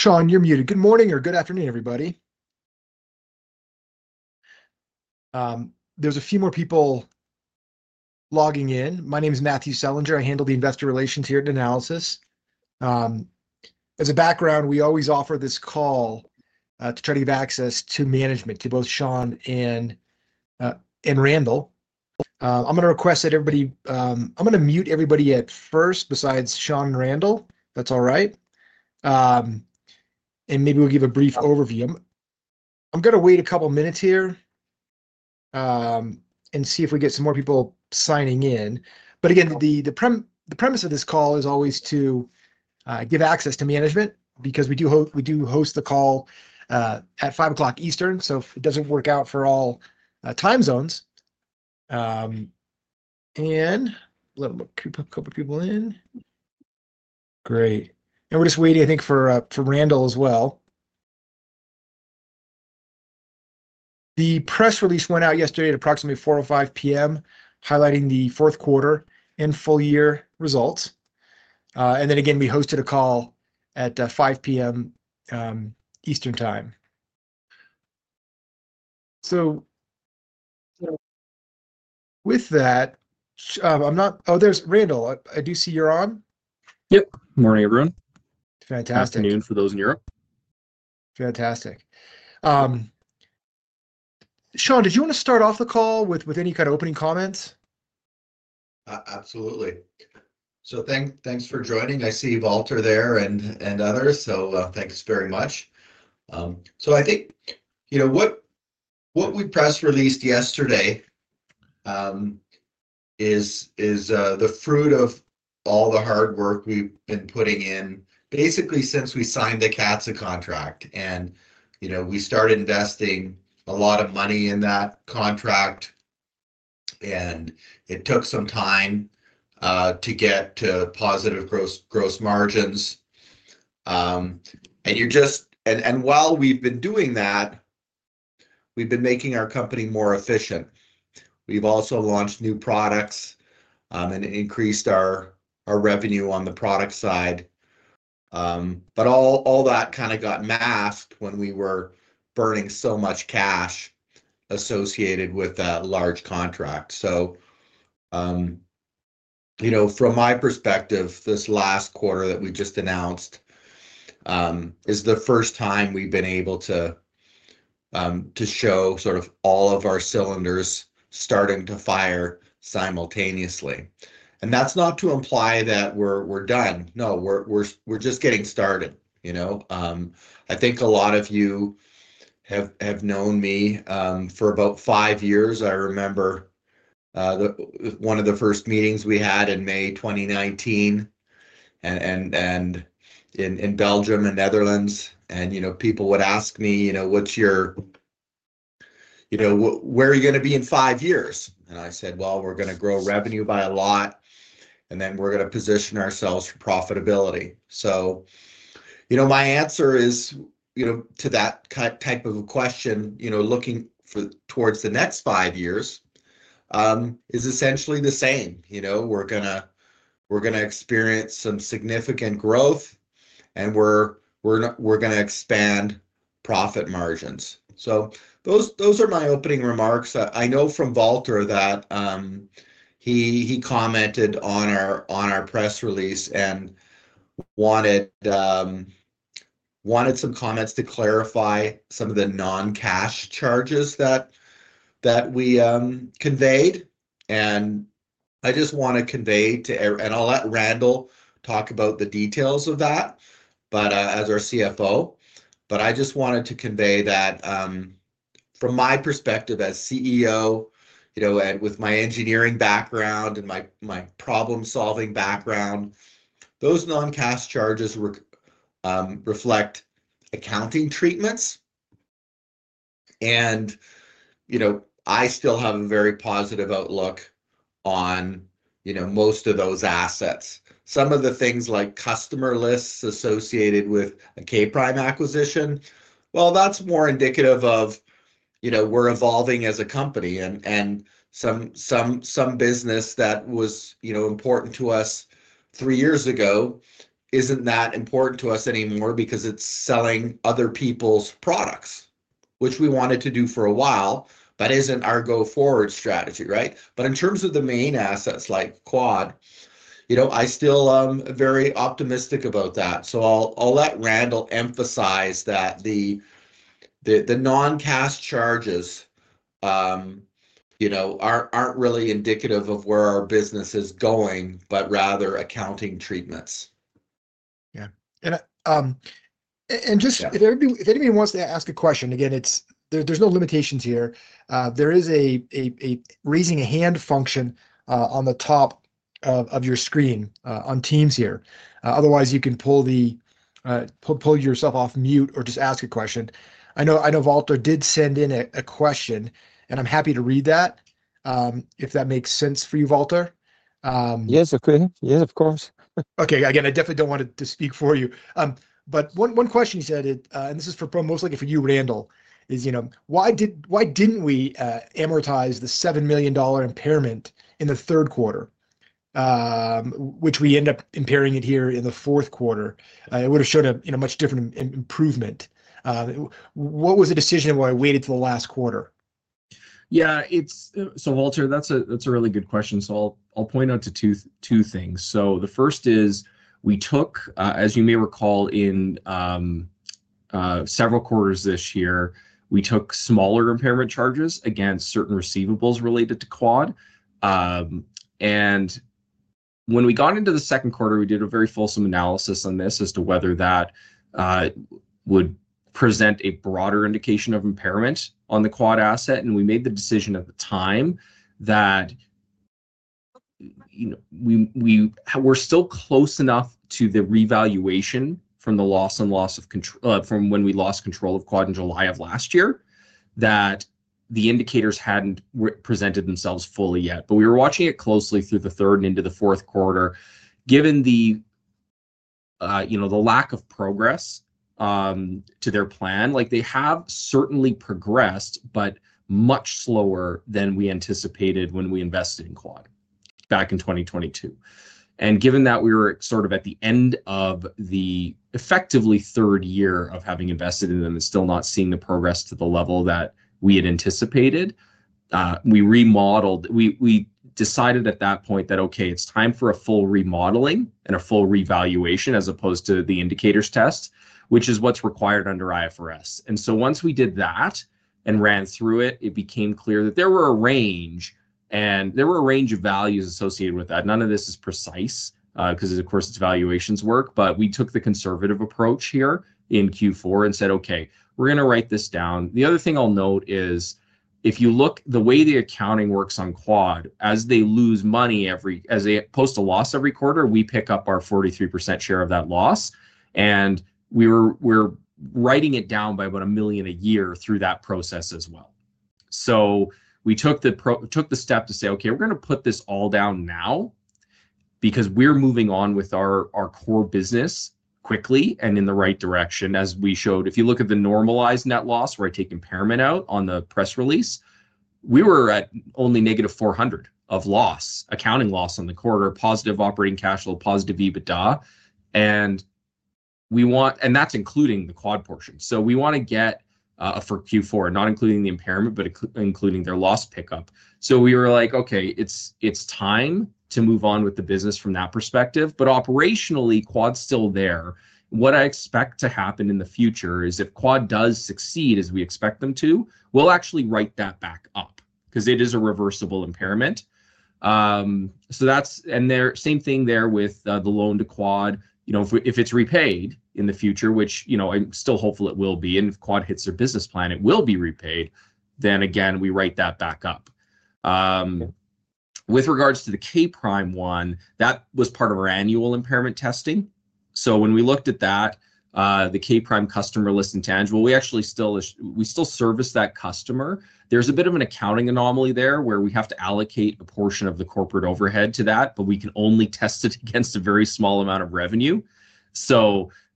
Sean, you're muted. Good morning or good afternoon, everybody. There's a few more people logging in. My name is Matthew Selinger. I handle the investor relations here at Nanalysis. As a background, we always offer this call to try to give access to management, to both Sean and Randall. I'm going to request that everybody—I'm going to mute everybody at first, besides Sean and Randall. That's all right. Maybe we'll give a brief overview. I'm going to wait a couple of minutes here and see if we get some more people signing in. Again, the premise of this call is always to give access to management because we do host the call at 5:00 P.M. Eastern, so if it doesn't work out for all time zones. A couple of people in. Great. We're just waiting, I think, for Randall as well. The press release went out yesterday at approximately 4:05 P.M., highlighting the fourth quarter and full-year results. Then again, we hosted a call at 5:00 P.M. Eastern Time. With that, I'm not—oh, there's Randall. I do see you're on. Yep. Good morning, everyone. Fantastic. Good afternoon for those in Europe. Fantastic. Sean, did you want to start off the call with any kind of opening comments? Absolutely. Thanks for joining. I see Walter there and others, so thanks very much. I think what we press released yesterday is the fruit of all the hard work we've been putting in, basically, since we signed the CATSA contract. We started investing a lot of money in that contract, and it took some time to get to positive gross margins. While we've been doing that, we've been making our company more efficient. We've also launched new products and increased our revenue on the product side. All that kind of got masked when we were burning so much cash associated with a large contract. From my perspective, this last quarter that we just announced is the first time we've been able to show sort of all of our cylinders starting to fire simultaneously. That's not to imply that we're done. No, we're just getting started. I think a lot of you have known me for about five years. I remember one of the first meetings we had in May 2019 in Belgium and Netherlands. People would ask me, "What's your—where are you going to be in five years?" I said, "We're going to grow revenue by a lot, and then we're going to position ourselves for profitability." My answer to that type of a question, looking towards the next five years, is essentially the same. We're going to experience some significant growth, and we're going to expand profit margins. Those are my opening remarks. I know from Walter that he commented on our press release and wanted some comments to clarify some of the non-cash charges that we conveyed. I just want to convey to—and I'll let Randall talk about the details of that as our CFO. I just wanted to convey that from my perspective as CEO and with my engineering background and my problem-solving background, those non-cash charges reflect accounting treatments. I still have a very positive outlook on most of those assets. Some of the things like customer lists associated with a K'Prime acquisition, well, that's more indicative of we're evolving as a company. Some business that was important to us three years ago isn't that important to us anymore because it's selling other people's products, which we wanted to do for a while, but isn't our go-forward strategy, right? In terms of the main assets like QUAD, I still am very optimistic about that. I'll let Randall emphasize that the non-cash charges aren't really indicative of where our business is going, but rather accounting treatments. Yeah. If anybody wants to ask a question, again, there's no limitations here. There is a raising a hand function on the top of your screen on Teams here. Otherwise, you can pull yourself off mute or just ask a question. I know Walter did send in a question, and I'm happy to read that if that makes sense for you, Walter. Yes, of course. Okay. Again, I definitely don't want to speak for you. One question you said, and this is most likely for you, Randall, is why didn't we amortize the 7 million dollar impairment in the third quarter, which we end up impairing here in the fourth quarter? It would have shown a much different improvement. What was the decision? Why waited till the last quarter? Yeah. Walter, that's a really good question. I'll point out two things. The first is we took, as you may recall, in several quarters this year, we took smaller impairment charges against certain receivables related to QUAD. When we got into the second quarter, we did a very fulsome analysis on this as to whether that would present a broader indication of impairment on the QUAD asset. We made the decision at the time that we were still close enough to the revaluation from the loss and loss of control from when we lost control of QUAD in July of last year that the indicators had not presented themselves fully yet. We were watching it closely through the third and into the fourth quarter. Given the lack of progress to their plan, they have certainly progressed, but much slower than we anticipated when we invested in QUAD back in 2022. Given that we were sort of at the end of the effectively third year of having invested in them and still not seeing the progress to the level that we had anticipated, we decided at that point that, okay, it's time for a full remodeling and a full revaluation as opposed to the indicators test, which is what's required under IFRS. Once we did that and ran through it, it became clear that there were a range and there were a range of values associated with that. None of this is precise because, of course, it's valuations work. We took the conservative approach here in Q4 and said, "Okay, we're going to write this down." The other thing I'll note is if you look at the way the accounting works on QUAD, as they lose money every—as they post a loss every quarter, we pick up our 43% share of that loss. We're writing it down by about 1 million a year through that process as well. We took the step to say, "Okay, we're going to put this all down now because we're moving on with our core business quickly and in the right direction," as we showed. If you look at the normalized net loss where I take impairment out on the press release, we were at only -400,000 of loss, accounting loss on the quarter, positive operating cash flow, positive EBITDA. That's including the QUAD portion. We want to get for Q4, not including the impairment, but including their loss pickup. We were like, "Okay, it's time to move on with the business from that perspective." Operationally, QUAD's still there. What I expect to happen in the future is if QUAD does succeed as we expect them to, we'll actually write that back up because it is a reversible impairment. Same thing there with the loan to QUAD. If it's repaid in the future, which I'm still hopeful it will be, and if QUAD hits their business plan, it will be repaid, then again, we write that back up. With regards to the K'Prime one, that was part of our annual impairment testing. When we looked at that, the K'Prime customer list intangible, we actually still service that customer. There's a bit of an accounting anomaly there where we have to allocate a portion of the corporate overhead to that, but we can only test it against a very small amount of revenue.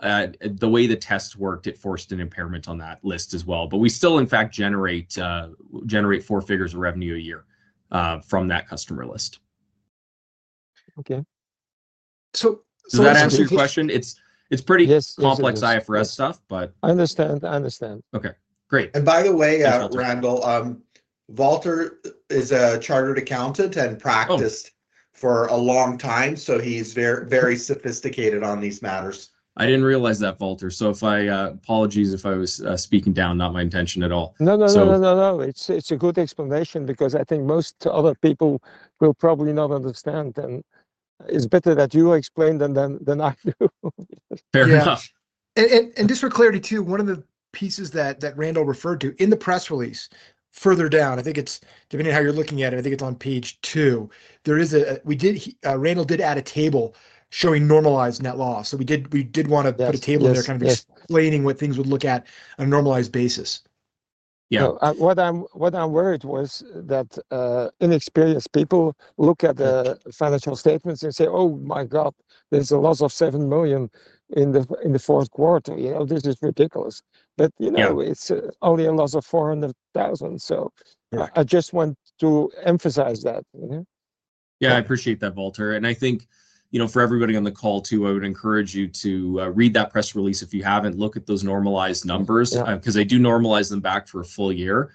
The way the test worked, it forced an impairment on that list as well. We still, in fact, generate four figures of revenue a year from that customer list. Okay. So that answers your question. It's pretty complex IFRS stuff, but. I understand. I understand. Okay. Great. By the way, Randall, Walter is a chartered accountant and practiced for a long time, so he's very sophisticated on these matters. I didn't realize that, Walter. Apologies if I was speaking down. Not my intention at all. No, no. It's a good explanation because I think most other people will probably not understand. It's better that you explain than I do. Fair enough. Just for clarity too, one of the pieces that Randall referred to in the press release further down, I think it's depending on how you're looking at it, I think it's on page two. Randall did add a table showing normalized net loss. We did want to put a table there kind of explaining what things would look at on a normalized basis. Yeah. What I'm worried was that inexperienced people look at the financial statements and say, "Oh my God, there's a loss of 7 million in the fourth quarter. This is ridiculous." It is only a loss of 400,000. I just want to emphasize that. Yeah, I appreciate that, Walter. I think for everybody on the call too, I would encourage you to read that press release if you haven't, look at those normalized numbers because they do normalize them back for a full year.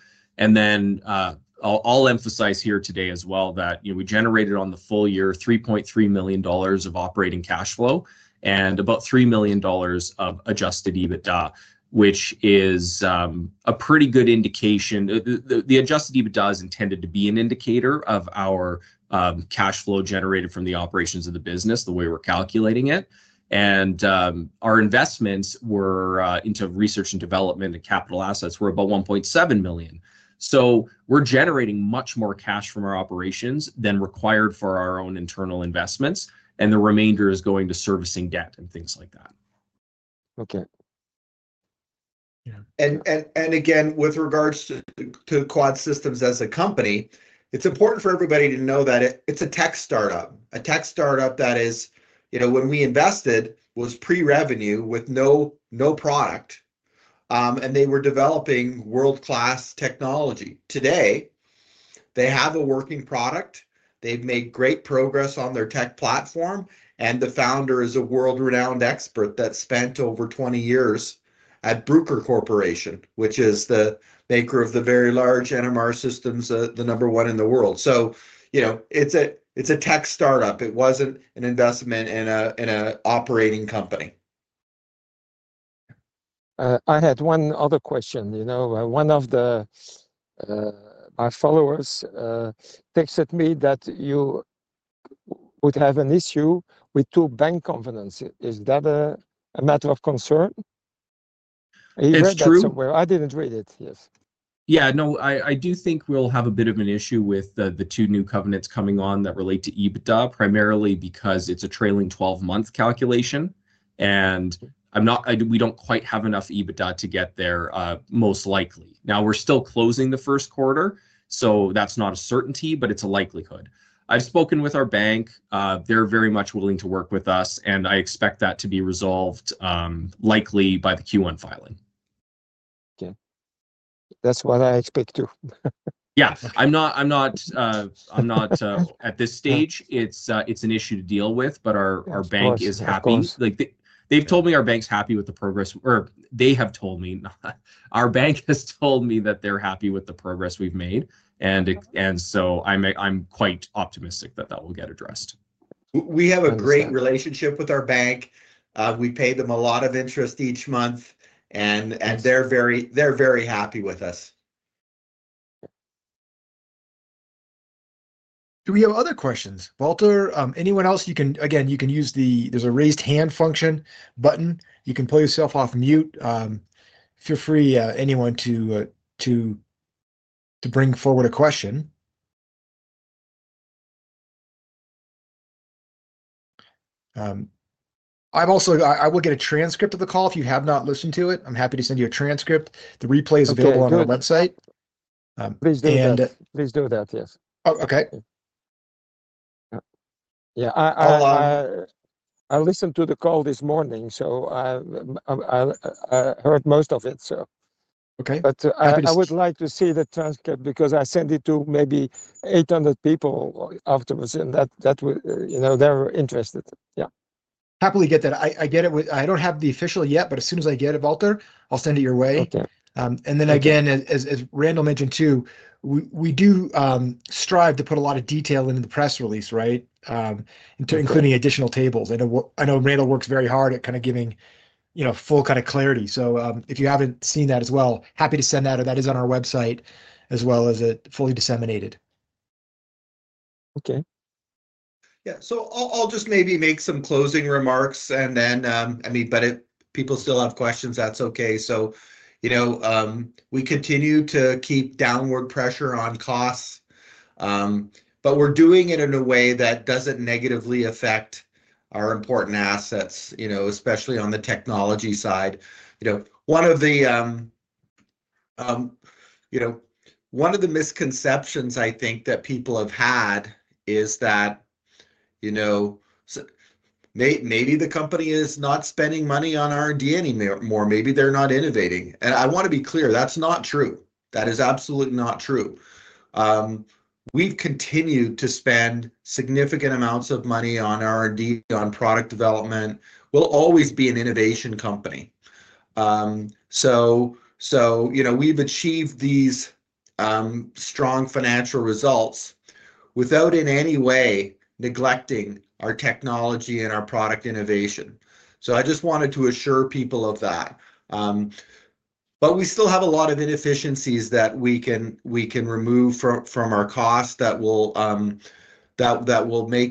I'll emphasize here today as well that we generated on the full year 3.3 million dollars of operating cash flow and about 3 million dollars of adjusted EBITDA, which is a pretty good indication. The adjusted EBITDA is intended to be an indicator of our cash flow generated from the operations of the business, the way we're calculating it. Our investments into research and development and capital assets were about 1.7 million. We are generating much more cash from our operations than required for our own internal investments. The remainder is going to servicing debt and things like that. Okay. With regards to QUAD Systems as a company, it's important for everybody to know that it's a tech startup, a tech startup that is, when we invested, was pre-revenue with no product. They were developing world-class technology. Today, they have a working product. They've made great progress on their tech platform. The founder is a world-renowned expert that spent over 20 years at Brooker Corporation, which is the maker of the very large NMR systems, the number one in the world. It's a tech startup. It wasn't an investment in an operating company. I had one other question. One of my followers texted me that you would have an issue with two bank covenants. Is that a matter of concern? It's true. I didn't read it. Yes. Yeah. No, I do think we'll have a bit of an issue with the two new covenants coming on that relate to EBITDA, primarily because it's a trailing 12-month calculation. We don't quite have enough EBITDA to get there most likely. Now, we're still closing the first quarter, so that's not a certainty, but it's a likelihood. I've spoken with our bank. They're very much willing to work with us. I expect that to be resolved likely by the Q1 filing. Okay. That's what I expect too. Yeah. I'm not at this stage. It's an issue to deal with, but our bank is happy. They've told me our bank's happy with the progress, or they have told me. Our bank has told me that they're happy with the progress we've made. I'm quite optimistic that that will get addressed. We have a great relationship with our bank. We pay them a lot of interest each month, and they're very happy with us. Do we have other questions? Walter, anyone else? Again, you can use the raised hand function button. You can pull yourself off mute. Feel free, anyone, to bring forward a question. I will get a transcript of the call if you have not listened to it. I'm happy to send you a transcript. The replay is available on our website. Please do that. Please do that, yes. Okay. Yeah. I listened to the call this morning, so I heard most of it. I would like to see the transcript because I sent it to maybe 800 people afterwards, and they're interested. Yeah. Happily get that. I do not have the official yet, but as soon as I get it, Walter, I'll send it your way. As Randall mentioned too, we do strive to put a lot of detail into the press release, right, including additional tables. I know Randall works very hard at kind of giving full kind of clarity. If you have not seen that as well, happy to send that. That is on our website as well as fully disseminated. Okay. Yeah. I'll just maybe make some closing remarks, and then I mean, if people still have questions, that's okay. We continue to keep downward pressure on costs, but we're doing it in a way that doesn't negatively affect our important assets, especially on the technology side. One of the misconceptions, I think, that people have had is that maybe the company is not spending money on R&D anymore. Maybe they're not innovating. I want to be clear. That's not true. That is absolutely not true. We've continued to spend significant amounts of money on R&D, on product development. We'll always be an innovation company. We've achieved these strong financial results without in any way neglecting our technology and our product innovation. I just wanted to assure people of that. We still have a lot of inefficiencies that we can remove from our costs that will make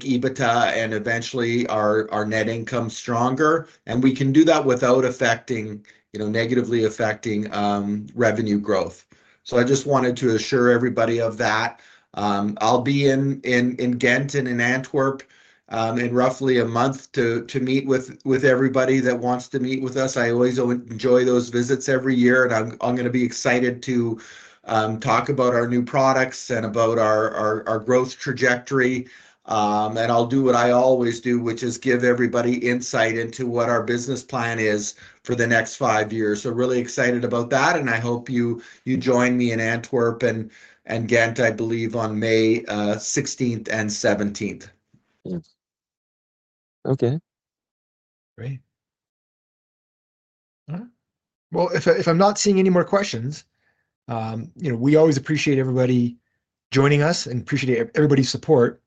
EBITDA and eventually our net income stronger. We can do that without negatively affecting revenue growth. I just wanted to assure everybody of that. I'll be in Gent and in Antwerp in roughly a month to meet with everybody that wants to meet with us. I always enjoy those visits every year. I'm going to be excited to talk about our new products and about our growth trajectory. I'll do what I always do, which is give everybody insight into what our business plan is for the next five years. I'm really excited about that. I hope you join me in Antwerp and Gent, I believe, on May 16th and 17th. Okay. Great. If I'm not seeing any more questions, we always appreciate everybody joining us and appreciate everybody's support.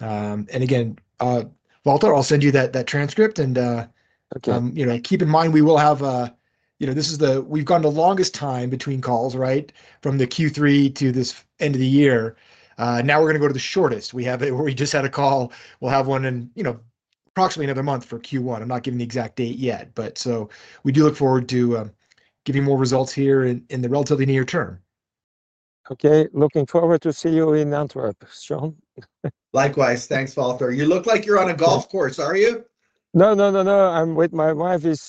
Again, Walter, I'll send you that transcript. Keep in mind, we will have—this is the—we've gone the longest time between calls, right, from the Q3 to this end of the year. Now we're going to go to the shortest. We just had a call. We'll have one in approximately another month for Q1. I'm not giving the exact date yet. We do look forward to giving you more results here in the relatively near term. Okay. Looking forward to seeing you in Antwerp, Sean. Likewise. Thanks, Walter. You look like you're on a golf course, are you? No, no, no, no. My wife is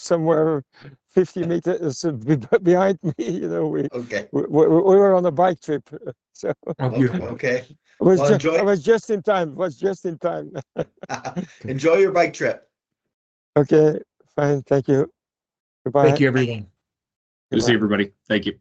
somewhere 50 meters behind me. We were on a bike trip, so. Oh, beautiful. Okay. I was just in time. Enjoy your bike trip. Okay. Fine. Thank you. Goodbye. Thank you, everyone. Good to see everybody. Thank you.